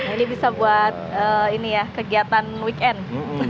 ini bisa buat ini ya kegiatan weekend